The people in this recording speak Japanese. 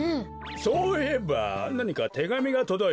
そういえばなにかてがみがとどいてなかったか？